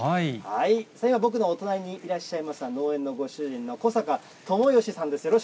今、僕のお隣にいらっしゃいますのが、農園のご主人の小坂知儀さんです。